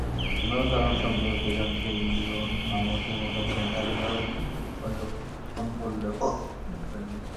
হামলার কারণ সম্পর্কে জানতে হিরণ মাহমুদের মুঠোফোনে একাধিকবার ফোন করলেও তিনি ধরেননি।